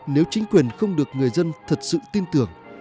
nếu chính quyền không được người dân thật sự tin tưởng